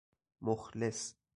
مخلص